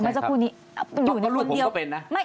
งั้นก็รู้ผมก็เป็นนะ